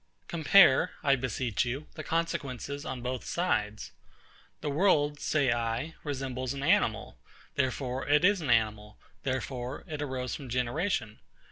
Compare, I beseech you, the consequences on both sides. The world, say I, resembles an animal; therefore it is an animal, therefore it arose from generation.